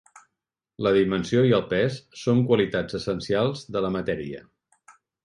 La dimensió i el pes són qualitats essencials de la matèria.